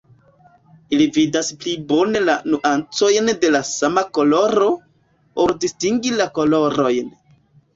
Ili vidas pli bone la nuancojn de la sama koloro, ol distingi la kolorojn.